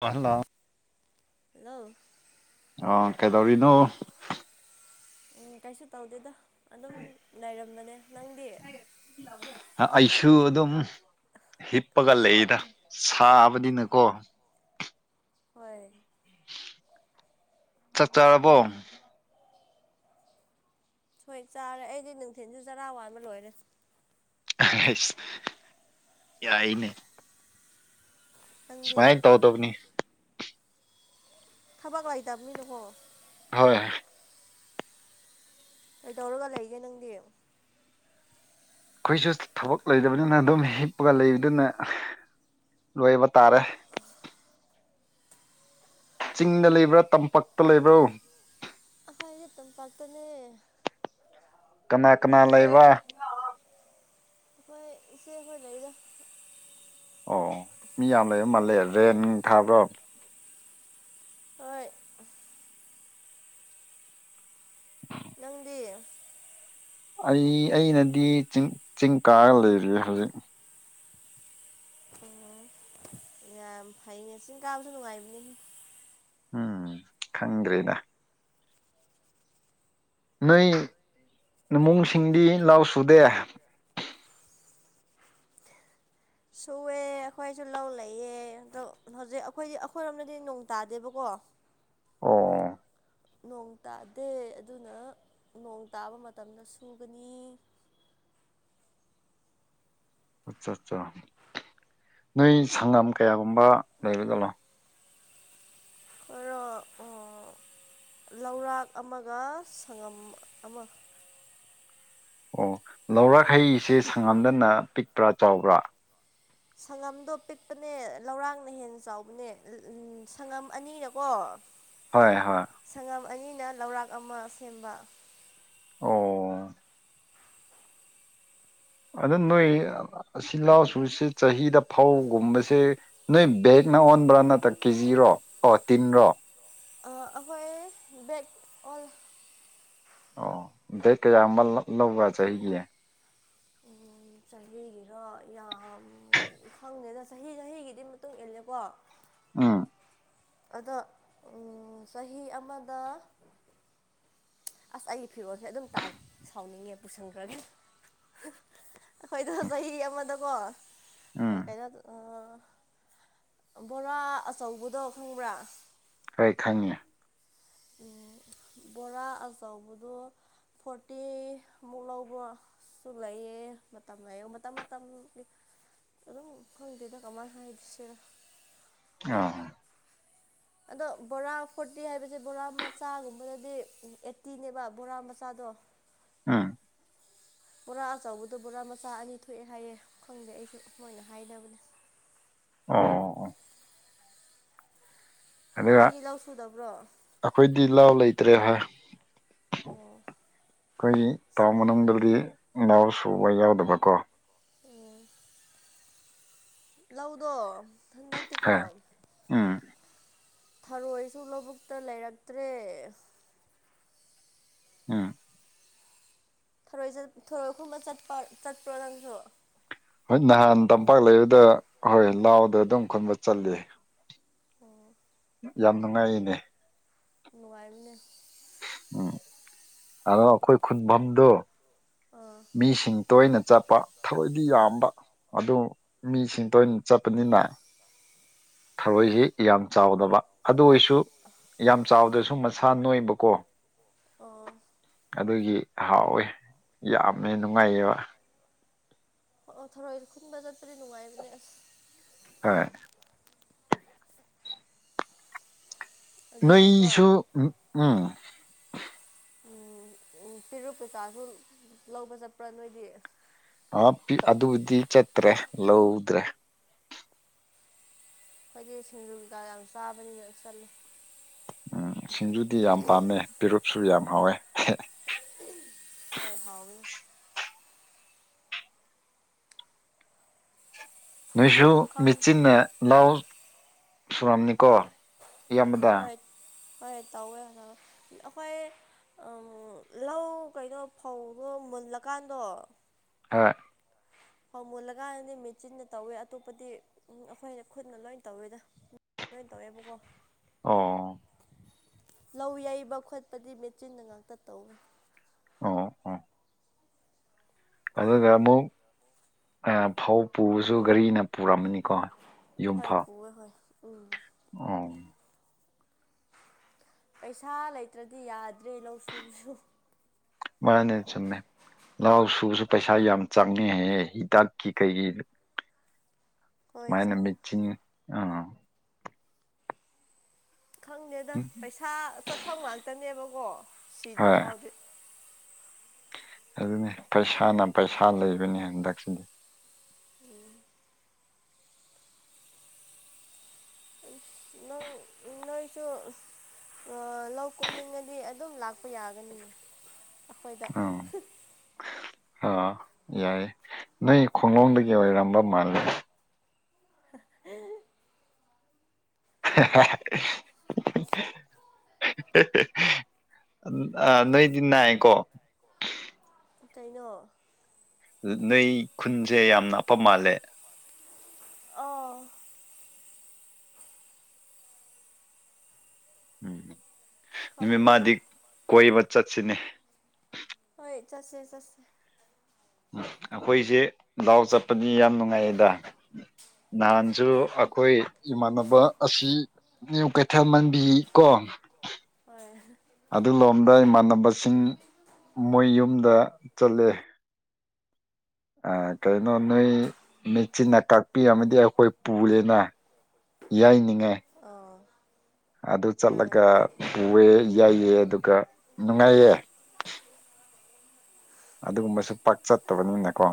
ꯄꯜꯂ hello ꯑ ꯀꯩꯗꯧꯔꯤꯅꯣ ꯎꯝ ꯀꯩꯁꯨ ꯇꯧꯗꯦꯗ ꯑꯗꯨꯝ ꯂꯩꯔꯝꯕꯅꯦ ꯅꯪꯗꯤ ꯑꯁꯨꯨ ꯑꯗꯨ ꯑꯗꯨꯝ ꯍꯤꯞꯄꯒ ꯂꯩꯏꯗ ꯁꯥꯕꯅꯤꯅꯦꯀꯣ ꯍꯣꯏ ꯆꯠ ꯆꯥꯔꯕꯣ ꯁꯣꯏ ꯆꯥꯔꯦ ꯑꯩꯗꯤ ꯅꯨꯡꯊꯤꯤꯟꯁꯨ ꯆꯔꯥ ꯋꯥꯟꯕ ꯂꯣꯏꯔꯦ ꯑꯁ ꯌꯥꯏꯅꯦ ꯅꯪꯗꯤ ꯁꯃꯥꯏ ꯇꯧ ꯇꯣꯅꯤ ꯈꯥꯕꯒ꯭ꯂꯥꯏꯗꯝꯃꯤ ꯅꯉꯣ ꯍꯣꯏ ꯀꯩꯗꯧꯔꯒ ꯂꯩꯒꯦ ꯅꯪꯗꯤ ꯑꯩꯈꯣꯏꯁꯨ ꯊꯕꯛ ꯂꯩꯇꯕꯅꯤꯅ ꯑꯗꯨꯝ ꯍꯤꯞꯄꯒ ꯂꯩꯕꯗꯨꯅ ꯂꯣꯏꯕ ꯇꯥꯔꯦ ꯆꯤꯡꯗ ꯂꯩꯕ꯭ꯔꯥ ꯇꯝꯄꯛꯇ ꯂꯩꯕ꯭ꯔꯣ ꯈꯏꯗꯤ ꯇꯝꯄꯥꯛꯥꯛꯇꯅꯦ ꯀꯅꯥ ꯀꯅꯥ ꯂꯩꯕ ꯑꯩꯣꯏ ꯁꯤꯦ ꯍ ꯆꯗ ꯑꯣ ꯃꯤ ꯌꯥꯝ ꯂꯩꯕ ꯃꯥꯜꯂꯦ ꯔꯦꯟ ꯊꯥꯕ꯭ꯔꯣ ꯍꯣꯏ ꯎ ꯅꯪꯗꯤ ꯑꯩ ꯑꯩꯅꯗꯤ ꯆꯤꯡ ꯆꯤꯡ ꯀꯥꯒ ꯂꯩꯔꯦ ꯍꯧꯖꯤꯛ ꯎꯝ ꯌꯥꯝ ꯐꯩꯅꯦ ꯆꯤꯡ ꯀꯥꯕꯁꯨ ꯅꯨꯡꯉꯥꯏꯕꯅꯤ ꯎꯝ ꯈꯪꯗ꯭ꯔꯦꯗ ꯅꯣꯏ ꯏꯃꯨꯡꯁꯤꯡꯗꯤ ꯂꯥꯎ ꯁꯨꯗꯦ ꯁꯨꯑꯦ ꯑꯩꯈꯣꯏꯁꯨ ꯂꯧ ꯂꯩꯌꯦꯦ ꯑꯗꯣ ꯍꯧꯖꯤꯛ ꯑꯩꯈꯣꯏꯗꯤ ꯑꯩꯈꯣꯏꯔꯣꯝꯗꯗꯤ ꯅꯣꯡ ꯇꯥꯗꯦꯕꯀꯣ ꯑꯣ ꯅꯣꯡ ꯇꯥꯗꯦ ꯑꯗꯨꯅ ꯅꯣꯡ ꯇꯥꯕ ꯃꯇꯝꯗ ꯁꯨꯒꯅꯤ ꯑꯆꯥ ꯑꯠꯆꯥ ꯅꯣꯏ ꯁꯪꯒꯝ ꯀꯌꯥꯒꯨꯝꯕ ꯂꯩꯒꯗꯅꯣ ꯍꯣꯏꯔꯣ ꯂꯧꯔꯥꯛ ꯑꯃꯒ ꯁꯪꯉꯝ ꯑꯃ ꯑꯣ ꯂꯧꯔꯈꯩꯁꯦ ꯁꯪꯉꯝꯗꯅ ꯄꯤꯛꯄ꯭ꯔꯥ ꯆꯥꯎꯕ꯭ꯔꯥ ꯁꯪꯉꯝꯗꯣ ꯄꯤꯛꯄꯅꯦ ꯂꯧꯔꯥꯡꯅ ꯍꯦꯟꯅ ꯆꯥꯎꯕꯅꯦ ꯁꯪꯉꯝ ꯑꯅꯤꯅꯀꯣ ꯍꯣꯏ ꯍꯣꯏ ꯁꯪꯉꯝ ꯑꯅꯤꯅ ꯂꯧꯔꯥꯛ ꯑꯃ ꯁꯦꯝꯕ ꯑꯣ ꯑꯗꯨ ꯅꯣꯏ ꯁꯤꯜꯍꯥꯎꯁꯨꯁꯦ ꯆꯍꯤꯗ ꯐꯧꯒꯨꯝꯕꯁꯦ ꯅꯣꯏ ꯕꯦꯛꯅ ꯑꯣꯟꯕ꯭ꯔꯥ ꯅꯠꯇ꯭ꯔ ꯀꯦꯖꯤꯔꯣ ꯑꯣ ꯇꯤꯟꯔꯣ ꯑꯩꯈꯣꯏ ꯕꯦꯛ ꯑꯣ ꯑꯣ ꯗ ꯀ ꯌꯥꯃꯜ ꯂꯧꯧ ꯆꯥꯦ [unintelligible] ꯆꯍꯤꯒꯤꯔꯣ ꯌꯥꯝ ꯈꯪꯗꯦꯅ ꯆꯍꯤ ꯆꯍꯤꯒꯤꯗꯤ ꯃꯇꯨꯡ ꯏꯜꯂꯦꯀꯣ ꯎꯝ ꯑꯗꯣ ꯆꯍꯤ ꯑꯃꯗ ꯑꯁ ꯑꯩꯒꯤ ꯐꯤꯔꯣꯜꯁꯦ ꯑꯗꯨꯝ ꯇꯥꯏ ꯁꯥꯎꯅꯤꯡꯉꯦ ꯄꯨꯁꯟꯈ꯭ꯔꯒꯦ ꯑꯩꯈꯣꯏꯗꯣ ꯆꯍꯤ ꯑꯃꯗꯀꯣ ꯎꯝ ꯀꯩꯅꯣ ꯕꯣꯔꯥ ꯑꯆꯧꯕꯗꯣ ꯈꯪꯕ꯭ꯔꯥ ꯍꯣꯏ ꯈꯪꯉꯦ ꯕꯣꯔꯥ ꯑꯆꯑꯧꯕꯗꯣ ꯐꯣꯔꯇꯤꯃꯨꯛ ꯂꯧꯕ꯭ꯔꯣ ꯁꯨ ꯂꯩꯌꯦ ꯃꯇꯝ ꯂꯩꯌꯦ ꯃꯇꯝ ꯃꯇꯝꯒꯤ ꯑꯗꯨꯝ ꯐꯪꯗꯗ ꯀꯃꯥꯏꯅ ꯍꯥꯏꯗꯣꯏꯁꯤꯔ ꯑ ꯑꯗꯣ ꯕꯣꯔꯥ ꯐꯣꯔꯇꯤ ꯍꯥꯏꯕꯁꯦ ꯕꯣꯔꯥ ꯃꯆꯥꯒꯨꯝꯕꯗꯗꯤ ꯑꯦꯠꯇꯤꯅꯦꯕ ꯕꯣꯔꯥ ꯃꯆꯥꯗꯣ ꯎꯝ ꯕꯣꯔꯥ ꯑꯆꯕꯗ ꯕꯣꯔꯥ ꯃꯆꯥ ꯑꯅꯤ ꯊꯣꯛꯑꯦ ꯍꯥꯏꯌꯦ ꯈꯪꯗꯦ ꯑꯩꯁꯨ ꯃꯣꯏꯅ ꯍꯥꯏꯅꯕꯅꯦ ꯑꯣ ꯑꯣ ꯑꯣ ꯑꯗꯨꯒ ꯅꯣꯏꯗꯤ ꯂꯧ ꯁꯨꯗꯕ꯭ꯔꯣ ꯑꯩꯈꯣꯏꯗꯤ ꯂꯥꯎ ꯂꯩꯇ꯭ꯔꯦ ꯍꯥꯏ ꯑꯩꯈꯣꯏꯒꯤ ꯊꯥꯎꯟ ꯃꯅꯨꯡꯗꯗꯤ ꯏꯅꯥꯎ ꯁꯨꯕ ꯌꯥꯎꯗꯕꯀꯣ ꯎꯝ ꯂꯧꯗꯣꯟꯗ ꯍ ꯎꯝ ꯊꯔꯣꯏꯁꯨ ꯂꯧꯕꯨꯛꯇ ꯂꯩꯔꯛꯇ꯭ꯔꯦ ꯑꯥ ꯊꯣꯏ ꯊꯔꯣꯏꯒꯨꯝꯕ ꯆꯠꯄ ꯆꯠꯄ꯭ꯔꯣ ꯅꯪꯁꯨ ꯍꯣꯏ ꯅꯍꯥꯟ ꯇꯝꯄꯥꯛ ꯂꯩꯕꯗ ꯍꯣꯏ ꯂꯥꯎꯗ ꯑꯗꯨꯝ ꯈꯨꯟꯕ ꯆꯠꯂꯤ ꯑꯣ ꯌꯥꯝ ꯅꯨꯡꯉꯥꯏꯔꯤꯅꯦ ꯅꯨꯡꯉꯥꯏꯕꯅꯦ ꯎꯝ ꯑꯗꯣ ꯑꯩꯈꯣꯏ ꯈꯨꯟꯐꯝꯗꯣ ꯑꯣ ꯏꯁꯤꯡ ꯇꯣꯏꯅ ꯆꯠꯄ ꯊꯕꯛꯗꯤ ꯌꯥꯝꯕ ꯑꯗꯨ ꯃꯤꯁꯤꯡ ꯇꯣꯏꯅ ꯆꯠꯄꯅꯤꯅ ꯊꯔꯣꯏꯁꯤ ꯌꯥꯝ ꯆꯥꯎꯗꯕ ꯑꯗꯨ ꯑꯣꯏꯔꯁꯨ ꯗꯨ ꯌꯥꯝ ꯆꯥꯎꯗꯔꯁꯨ ꯃꯁꯥ ꯅꯣꯏꯕꯀꯣ ꯑꯣ ꯑꯗꯨꯒꯤ ꯍꯥꯎꯏ ꯌꯥꯝꯃꯦ ꯅꯨꯡꯉꯥꯏꯌꯦꯕ ꯑꯣ ꯊꯔꯣꯏ ꯈꯨꯟꯕ ꯆꯠꯄꯗꯤ ꯅꯨꯡꯉꯥꯏꯕꯅꯦ ꯑꯁ ꯍꯣꯏ ꯑꯗꯨꯒꯀꯣ ꯅꯣꯏꯁꯨ ꯎꯝ ꯇꯤꯔꯨꯛ ꯀꯩꯀꯥꯁꯨ ꯂꯧꯕ ꯆꯠꯄ꯭ꯔꯥ ꯅꯣꯏꯗꯤ ꯑ ꯑꯗꯨꯗꯤ ꯆꯠꯇ꯭ꯔꯦ ꯂꯧꯗ꯭ꯔꯦ ꯑꯩꯈꯣꯏꯗꯤ ꯁꯤꯡꯖꯨ ꯀꯩꯀꯥ ꯌꯥꯝ ꯆꯥꯕꯅꯤꯅ ꯆꯠꯂ ꯎꯝ ꯁꯤꯡꯖꯨꯗꯤ ꯌꯥꯝ ꯄꯥꯝꯃꯦ ꯄꯦꯔꯨꯛꯁꯨ ꯌꯥꯝ ꯍꯥꯎꯋꯦ ꯍꯣꯏ ꯍꯥꯎꯏ ꯅꯣꯏꯁꯨ ꯈꯪ ꯃꯦꯆꯤꯟꯅ ꯂꯧ ꯁꯨꯔꯝꯅꯤꯀꯣ ꯑꯌꯥꯝꯕꯗ ꯍꯣꯏ ꯍꯣꯏ ꯇꯧꯋꯦ ꯍꯟꯗꯛ ꯑꯩꯈꯣꯏ ꯂꯧ ꯀꯩꯅꯣ ꯐꯧꯗꯣ ꯃꯨꯜꯂꯀꯥꯟꯗꯣ ꯑꯥ ꯐꯧ ꯃꯨꯜꯂꯀꯥꯟꯗꯗꯤ ꯃꯦꯆꯤꯟꯅ ꯇꯧꯋꯦ ꯑꯇꯣꯞꯄꯗꯤ ꯑꯩꯈꯣꯏꯅ ꯈꯨꯠꯅ ꯂꯣꯏ ꯇꯧꯋꯦꯗ ꯂꯣꯏ ꯇꯧꯋꯦꯕꯀꯣ ꯑꯣ ꯂꯧ ꯌꯩꯕ ꯈꯣꯠꯄꯗꯤ ꯃꯦꯆꯤꯟꯅ ꯉꯥꯛꯇ ꯇꯧꯅꯤ ꯑꯣ ꯑꯣ ꯑꯗꯨꯒ ꯑꯃꯨꯛ ꯐꯧ ꯄꯨꯕꯁꯨ ꯒꯥꯔꯤꯅ ꯄꯨꯔꯝꯃꯅꯤꯀꯣ ꯍꯣꯏ ꯌꯨꯝꯐꯥꯎ ꯄꯨꯋꯦ ꯍꯣꯏ ꯎꯝ ꯑꯣ ꯄꯩꯁꯥ ꯂꯩꯇ꯭ꯔꯗꯤ ꯌꯥꯗ꯭ꯔꯦ ꯂꯧꯁꯨꯕꯁꯨ ꯃꯥꯅꯩ ꯆꯨꯝꯃꯦ ꯂꯧ ꯁꯨꯕꯁꯨ ꯄꯩꯁꯥ ꯌꯥꯝ ꯆꯪꯉꯦ ꯍꯥꯏꯌꯦ ꯍꯤꯗꯥꯛꯀꯤ ꯀꯩꯒꯤ ꯍꯣꯏ ꯃꯥꯏꯅ ꯆꯪꯉꯦ ꯃꯦꯆꯤꯟ ꯑꯥ ꯈꯪꯗꯦꯗ ꯄꯩꯁꯥ ꯆꯠꯐꯝ ꯉꯥꯛꯇꯅꯦꯕꯀꯣ ꯁꯤꯗ꯭ꯔꯤ ꯍꯣꯏ ꯐꯥꯎꯗꯤ ꯑꯗꯨꯅꯤ ꯄꯩꯁꯥꯅ ꯄꯩꯁꯥ ꯂꯩꯕꯅꯤ ꯍꯟꯗꯛꯁꯤꯗꯤ ꯎꯝ ꯅꯣꯏ ꯅꯣꯏꯁꯨ ꯂꯧ ꯀꯨꯝꯅꯤꯡꯉꯗꯤ ꯑꯗꯨꯝ ꯂꯥꯛꯄ ꯌꯥꯒꯅꯤ ꯑꯩꯈꯣꯏꯗ ꯑꯝ ꯑꯥ ꯌꯥꯏꯌꯦ ꯅꯣꯏ ꯈꯣꯡꯂꯣꯡꯗꯒꯤ ꯑꯣꯏꯔꯝꯕ ꯃꯥꯜꯂꯦ [unintelligible] [unintelligible] ꯅꯣꯏꯗꯤ ꯅꯥꯏꯀꯣ ꯀꯩꯅꯣ ꯅꯣꯏ ꯈꯨꯟꯁꯦ ꯌꯥꯝꯅ ꯂꯥꯞꯄ ꯃꯥꯜꯂꯦ ꯑꯥ ꯅꯨꯃꯤꯠ ꯈꯪꯗꯦꯗ ꯃꯥꯗꯤ ꯀꯣꯏꯕ ꯆꯠꯁꯤꯅꯦ ꯍꯣꯏ ꯆꯠꯁꯦ ꯆꯠꯁꯦ ꯑꯩꯈꯣꯏꯁꯦ ꯗꯥꯎ ꯆꯠꯄꯗꯤ ꯌꯥꯝ ꯅꯨꯡꯉꯥꯏꯌꯦꯗ ꯅꯍꯥꯟꯁꯨ ꯑꯩꯈꯣꯏ ꯏꯃꯥꯟꯅꯕ ꯑꯁꯤ ꯨ ꯅꯤꯌꯨ ꯀꯩꯊꯦꯜ ꯃꯟꯕꯤ ꯀꯣ ꯍꯣꯏ ꯑꯗꯨ ꯂꯣꯝꯗ ꯏꯃꯥꯟꯅꯕꯁꯤꯡ ꯃꯣꯏ ꯌꯨꯝꯗ ꯆꯠꯂꯦ ꯑ ꯀꯩꯅꯣ ꯅꯣꯏ ꯃꯦꯆꯤꯟꯅ ꯀꯥꯛꯄꯤꯝ ꯑꯃꯗꯤ ꯑꯩꯈꯣꯏ ꯄꯨꯔꯦꯅ ꯌꯥꯏꯅꯤꯡꯉꯦ ꯑꯧ ꯑꯗꯨ ꯆꯠꯂꯒ ꯄꯋꯦ ꯌꯩꯌꯦ ꯑꯗꯨꯒ ꯅꯨꯡꯉꯥꯏꯌꯦ ꯑꯗꯨꯒꯨꯝꯕꯁꯨ ꯄꯥꯛ ꯆꯠꯇꯕꯅꯤꯅꯀꯣ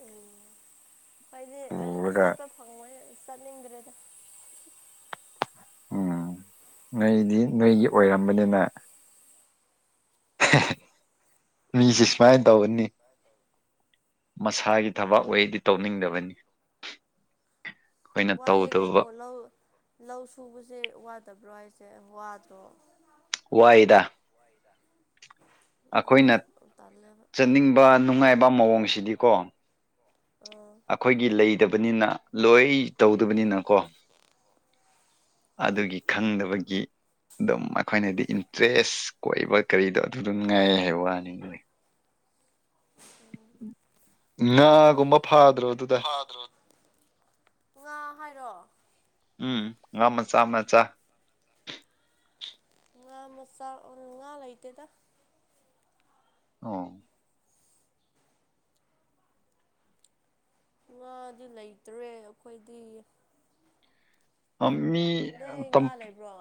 ꯎꯝ ꯍꯥꯏꯗꯤ ꯑ ꯄꯨꯔꯒ ꯆꯠꯄ ꯐꯪꯉꯣꯏ ꯆꯠꯅꯤꯡꯗ꯭ꯔꯦꯗ ꯎꯝ ꯅꯣꯏꯗꯤ ꯅꯣꯏꯒꯤ ꯑꯣꯏꯔꯝꯕꯅꯤꯅ ꯃꯤꯁꯦ ꯁꯨꯃꯥꯏꯅ ꯇꯧꯕꯅꯤ ꯃꯁꯥꯒꯤ ꯊꯕꯛ ꯑꯣꯏꯗꯤ ꯇꯧꯅꯤꯡꯗꯕꯅꯤ ꯑꯩꯈꯣꯏꯅ ꯋꯥꯌꯦ ꯀꯩꯅꯣ ꯇꯧꯗꯕ ꯂꯧ ꯂꯧ ꯁꯨꯕꯁꯦ ꯋꯥꯗꯕ꯭ꯔꯣ ꯍꯥꯏꯁꯦ ꯋꯥꯗꯔꯣ ꯋꯥꯏꯗ ꯑꯩꯈꯣꯏꯅ ꯑꯗꯨꯅ ꯇꯜꯂꯦꯕ ꯆꯠꯅꯤꯡꯕ ꯅꯨꯡꯉꯥꯏꯕ ꯃꯑꯣꯡꯁꯤꯗꯤꯀꯣ ꯑꯣ ꯑꯩꯈꯣꯏꯒꯤ ꯂꯩꯗꯕꯅꯤꯅ ꯂꯣꯏ ꯇꯧꯗꯕꯅꯤꯅ ꯀꯣ ꯑꯗꯨꯒꯤ ꯈꯪꯗꯕꯒꯤ ꯑꯗꯨꯝ ꯑꯩꯈꯣꯏꯅꯗꯤ ꯏꯟꯇꯔꯦꯁ ꯀꯣꯏꯕ ꯀꯔꯤꯗꯣ ꯑꯗꯨ ꯑꯗꯨꯝ ꯉꯥꯏ ꯍꯥꯏꯕ ꯋꯥꯅꯤ ꯉꯥꯒꯨꯝꯕ ꯐꯥꯗ꯭ꯔꯣ ꯑꯗꯨꯗ ꯐꯥꯗ꯭ꯔꯣ ꯉꯥ ꯍꯥꯏꯔꯣ ꯎꯝ ꯉꯥ ꯃꯆꯥ ꯃꯆꯥ ꯉꯥ ꯃꯆꯥ ꯉꯥ ꯂꯩꯇꯦꯗ ꯑꯣ ꯉꯥꯗꯤ ꯂꯩꯇ꯭ꯔꯦ ꯑꯩꯈꯣꯏꯗꯤ ꯑꯃꯤ ꯅꯣꯏ ꯉꯥ ꯂꯩꯕ꯭ꯔꯣ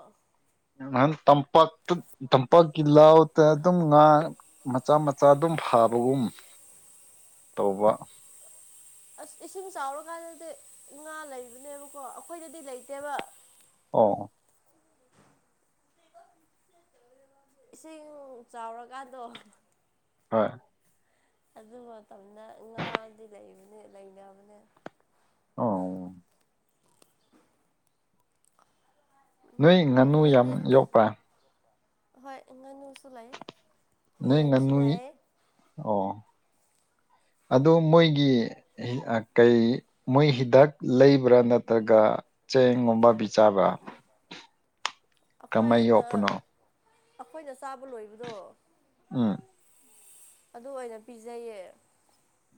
ꯅꯍꯥꯟ ꯇꯝꯄꯥꯛꯇ ꯇꯝꯄꯥꯛꯀꯤ ꯂꯥꯎꯗ ꯑꯗꯨꯝ ꯉꯥ ꯃꯆꯥ ꯃꯆꯥ ꯆꯥꯗꯨꯝ ꯐꯥꯕꯒꯨꯝ ꯇꯧꯕ ꯑꯁ ꯏꯁꯤꯡ ꯆꯥꯎꯔꯀꯥꯟꯗꯗꯤ ꯉꯥ ꯂꯩꯕꯅꯦꯕꯀꯣ ꯑꯩꯈꯣꯏꯗꯗꯤ ꯂꯩꯇꯦꯕ ꯑꯣ ꯏꯁꯤꯡ ꯆꯥꯎꯔꯀꯥꯟꯗꯣ ꯍꯣꯏ ꯑꯗꯨ ꯃꯇꯝꯗ ꯉꯥꯗꯤ ꯂꯩꯕꯅꯦ ꯂꯩꯅꯕꯅꯦ ꯑꯧ ꯅꯣꯏ ꯉꯥꯅꯨ ꯎꯝ ꯌꯥꯝ ꯅꯣꯏꯗꯤ ꯌꯣꯛꯄ꯭ꯔꯥ ꯍꯣꯏ ꯉꯅꯨꯁꯨ ꯂꯩ ꯅꯣꯏ ꯌꯦꯟꯁꯨ ꯉꯥꯅꯨꯏ ꯂꯩ ꯑꯣ ꯑꯗꯣ ꯃꯣꯏꯒꯤ ꯀꯩ ꯃꯣꯏ ꯍꯤꯗꯥꯛ ꯂꯩꯕ꯭ꯔꯥ ꯅꯠꯇ꯭ꯔꯒ ꯆꯦꯡꯒꯨꯝꯕ ꯄꯤꯖꯥꯕꯔꯥ ꯑꯩꯈꯣꯏꯅ ꯌꯣꯛꯄꯅꯣ ꯑꯩꯈꯣꯏꯅ ꯆꯥꯕ ꯂꯣꯏꯕꯗꯣ ꯎꯝ ꯑꯗꯨ ꯑꯣꯏꯅ ꯄꯤꯖꯩꯌꯦ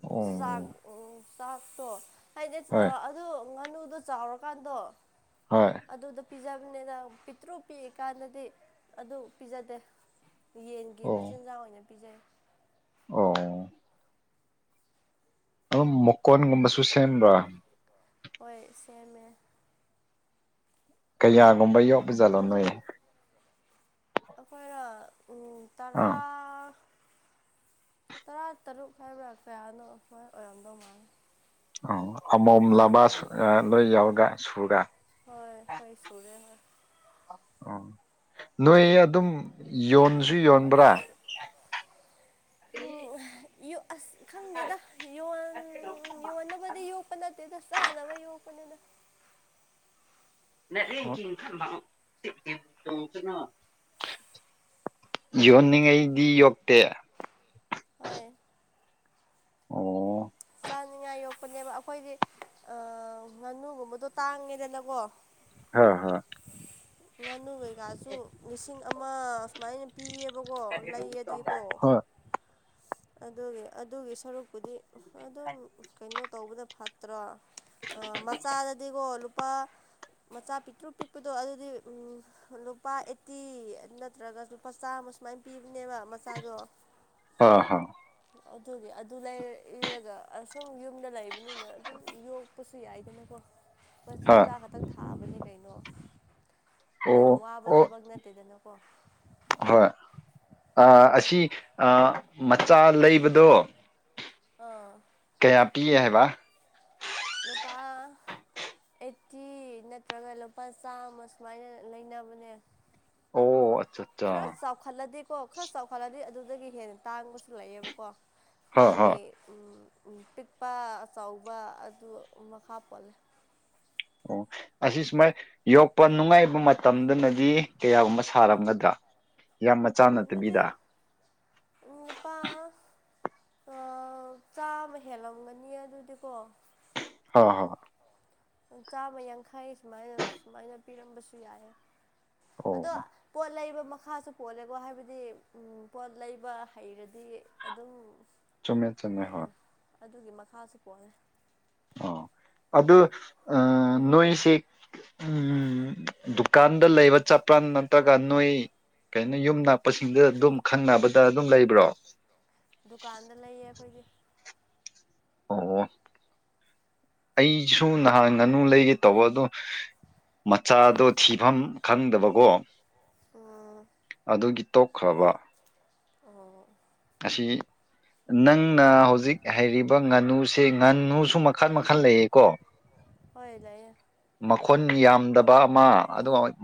ꯑꯣ ꯆꯥꯛ ꯎꯝ ꯆꯥꯛꯇꯣ ꯍꯥꯏꯗꯤ ꯍꯣꯏ ꯑꯗꯨ ꯉꯥꯅꯨꯗꯣ ꯆꯥꯎꯔꯀꯥꯟꯗꯣ ꯍꯣꯏ ꯑꯗꯨꯗꯣ ꯄꯤꯖꯕꯅꯤꯅ ꯄꯤꯛꯇ꯭ꯔꯨꯛ ꯄꯤꯛꯏꯀꯥꯟꯗꯗꯤ ꯑꯗꯨ ꯄꯤꯖꯗꯦ ꯌꯦꯟꯒꯤ ꯑꯣ ꯃꯆꯤꯟꯖꯥꯛ ꯑꯣꯏꯅ ꯄꯤꯖꯩ ꯑꯣ ꯑꯗꯨꯝ ꯃꯨꯀꯣꯟꯒꯨꯝꯕꯁꯨ ꯁꯦꯝꯕ꯭ꯔꯥ ꯍꯣꯏ ꯁꯦꯝꯃꯦ ꯀꯌꯥꯒꯨꯝꯕ ꯌꯣꯛꯄꯖꯥꯜꯂꯣ ꯅꯣꯏ ꯑꯩꯈꯣꯏꯔꯣ ꯎꯝ ꯑꯥ ꯇꯔꯥ ꯇꯔꯥ ꯇꯔꯨꯛ ꯍꯥꯏꯕ꯭ꯔꯥ ꯀꯌꯥꯅꯣ ꯍꯣꯏ ꯑꯣꯏꯔꯝꯗꯧ ꯃꯥꯜꯂꯦ ꯑꯣ ꯑꯃꯣꯝꯂꯕ ꯁꯨ-ꯑ ꯂꯣꯏ ꯌꯥꯎꯔꯦ ꯁꯨꯔꯦ ꯍꯣꯏ ꯍꯣꯏ ꯁꯨꯔꯦ ꯉ ꯑꯣ ꯅꯣꯏ ꯑꯗꯨꯝ ꯌꯣꯟꯁꯨ ꯌꯣꯟꯕ꯭ꯔꯥ ꯍꯝ ꯑ ꯌꯣ-ꯑꯁ ꯈꯪꯗꯦꯗꯣꯟ ꯌꯣꯟ-ꯌꯣꯟꯅꯕꯗꯤ ꯌꯣꯛꯄꯅꯠ ꯇꯦꯗ ꯆꯥꯅꯕ ꯌꯣꯛꯄꯀꯄꯅꯦꯗ [inaudible] [unintelligible] ꯌꯣꯟꯅꯤꯡꯉꯩꯗꯤ ꯌꯣꯛꯇꯦ ꯍꯣꯏ ꯑꯣ ꯆꯥꯅꯤꯉꯥꯏ ꯌꯣꯛꯄꯅꯦꯕ ꯑꯩꯈꯣꯏꯗꯤ ꯑ ꯉꯥꯅꯨꯒꯨꯝꯕꯗꯣ ꯇꯥꯡꯉꯦꯗꯅꯀꯣ ꯍꯥ ꯍꯣ ꯉꯥꯅꯨ ꯀꯩꯀꯥꯁꯨ ꯂꯤꯁꯤꯡ ꯑꯃ ꯑꯁꯨꯃꯥꯏꯅ ꯄꯤꯌꯦꯕꯀꯣ ꯂꯩꯌꯦꯗꯤꯀꯣ ꯍꯣꯏ ꯑꯗꯨꯒꯤ ꯑꯗꯨꯒꯤ ꯁꯔꯨꯛꯄꯨꯗꯤ ꯑ ꯑꯗꯨꯝ ꯀꯩꯅꯣ ꯇꯧꯕꯗ ꯐꯠꯇ꯭ꯔꯥ ꯃꯆꯥꯗꯗꯤꯀꯣ ꯂꯨꯄꯥ ꯃꯆꯥ ꯄꯤꯛꯇ꯭ꯔꯨ ꯄꯤꯛꯄꯗꯣ ꯑꯗꯨꯗꯤ ꯎꯝ ꯂꯨꯄꯥ ꯑꯦꯠꯇꯤ ꯅꯠꯇ꯭ꯔꯒ ꯂꯨꯄꯥ ꯆꯥꯝꯃ ꯁꯨꯃꯥꯏꯅ ꯄꯤꯕꯅꯦꯕ ꯃꯆꯥꯗꯣ ꯑꯥ ꯍꯣ ꯑꯗꯨꯒꯤ ꯑꯗꯨ ꯂꯩꯔ-ꯏꯔꯒ ꯑꯁꯨꯝ ꯌꯨꯝꯗ ꯂꯩꯕꯅꯤꯅ ꯑꯗꯨꯝ ꯌꯣꯛ ꯄꯁꯨ ꯌꯥꯏꯗꯅꯀꯣ ꯍꯥꯥ ꯈꯇꯪ ꯊꯥꯕꯅꯤ ꯀꯩꯅꯣ ꯌꯥꯝ ꯑꯣ ꯋꯥꯕ ꯑꯣ ꯊꯕꯛ ꯅꯠꯇꯦꯗꯅꯀꯣ ꯍꯣꯏ ꯑ ꯑꯁꯤ ꯑ ꯃꯆꯥ ꯂꯩꯕꯗꯣ ꯑꯥ ꯀꯌꯥ ꯄꯤꯌꯦ ꯍꯥꯏꯕ ꯂꯨꯄꯥ ꯑꯩꯠꯇꯤ ꯅꯠꯇ꯭ꯔꯒ ꯂꯨꯄꯥ ꯆꯥꯝꯃ ꯁꯨꯃꯥꯏꯅ ꯂꯩꯅꯕꯅꯦ ꯑꯣ ꯑꯆꯥ ꯈꯔ ꯆꯥꯎꯈꯠꯂꯗꯤꯀꯣ ꯈꯔ ꯆꯥꯎꯈꯠꯂꯗꯤ ꯑꯗꯨꯗꯒꯤ ꯍꯦꯟꯅ ꯇꯥꯡꯕꯁꯨ ꯂꯩꯑꯕꯀꯣ ꯍꯣꯏ ꯍꯣꯏ ꯃꯥꯒꯤ ꯎꯝ ꯎꯝ ꯄꯤꯛꯄ ꯑꯆꯧꯕ ꯑꯗꯨ ꯃꯈꯥ ꯄꯣꯜꯂꯦ ꯑꯣ ꯑꯁꯤ ꯁꯨꯃꯥꯏ ꯌꯣꯛꯄ ꯅꯨꯡꯉꯥꯏꯕ ꯃꯇꯝꯗꯨꯅꯗꯤ ꯀꯌꯥꯒꯨꯝꯕ ꯁꯥꯔꯝꯒꯗ ꯌꯥꯝꯃ ꯗꯨꯗꯤ ꯎꯝ ꯅꯨꯨꯄꯥ ꯆꯥꯃ ꯍꯦꯜꯂꯝꯒꯅꯤ ꯑꯗꯨꯗꯤꯀꯣ ꯍꯥ ꯍꯥ ꯆꯥꯝꯃ ꯌꯥꯡꯈꯩ ꯁꯨꯃꯥꯏꯅ ꯁꯨꯃꯥꯏꯅ ꯄꯤꯔꯝꯕꯁꯨ ꯌꯥꯏ ꯑꯗꯣ ꯑꯣ ꯄꯣꯠ ꯂꯩꯕ ꯃꯈꯥꯁꯨ ꯄꯣꯠꯂꯦꯀꯣ ꯍꯥꯏꯕꯗꯤ ꯄꯣꯠ ꯂꯩꯕ ꯍꯩꯔꯗꯤ ꯑꯗꯨꯝ ꯎꯝ ꯆꯨꯝꯃꯦ ꯆꯨꯝꯃꯦ ꯍꯣꯏ ꯍꯩ-ꯑꯗꯨꯒꯤ ꯃꯈꯥꯁꯨ ꯄꯣꯜꯂꯦ ꯑꯣ ꯑꯗꯨ ꯑ ꯅꯣꯏꯁꯦ ꯎ ꯗꯨꯀꯥꯟꯗ ꯂꯩꯕ ꯆꯠꯄ꯭ꯔꯥ ꯅꯠꯇ꯭ꯔꯒ ꯅꯣꯏ ꯀꯩꯅꯣ ꯌꯨꯝ ꯅꯛꯄꯁꯤꯡꯗ ꯑꯗꯨꯝ ꯈꯪꯅꯕꯗ ꯑꯗꯨꯝ ꯂꯩꯕ꯭ꯔꯣ ꯗꯨꯀꯥꯟꯗ ꯂꯩꯌꯦ ꯑꯩꯈꯣꯏꯗꯤ ꯑꯣ ꯑꯩꯁꯨ ꯅꯍꯥꯟ ꯉꯥꯅꯨ ꯂꯩꯒꯦ ꯇꯧꯕ ꯑꯗꯨꯗꯣ ꯃꯆꯥꯗꯣ ꯊꯤꯐꯝ ꯈꯪꯗꯕꯀꯣ ꯑꯣ ꯑꯗꯨꯒꯤ ꯇꯣꯛꯈ꯭ꯔꯕ ꯑꯣ ꯊꯤ ꯅꯪꯅ ꯍꯧꯖꯤꯛ ꯍꯥꯏꯩꯔꯤꯕ ꯉꯥꯅꯨꯁꯤ ꯑꯦ ꯉꯥꯅꯨꯁꯨ ꯃꯈꯜ ꯃꯈꯜ ꯂꯩꯌꯦꯀꯣ ꯍꯣꯏ ꯂꯩꯑ ꯃꯈꯣꯟ ꯌꯥꯝꯗꯕ ꯑꯃ ꯑꯗꯨꯑꫭꯏ